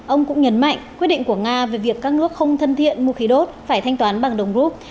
ông cũng nhấn mạnh quyết định của nga về việc các nước không thân thiện mua khí đốt phải thanh toán bằng đồng rút